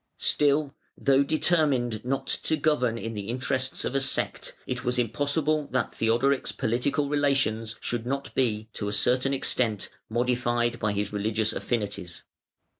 Still, though determined not to govern in the interests of a sect, it was impossible that Theodoric's political relations should not be, to a certain extent, modified by his religious affinities.